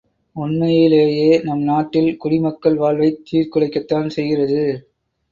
உண்மையிலேயே நம் நாட்டில் குடி மக்கள் வாழ்வைச் சீர்குலைக்கத்தான் செய்கிறது.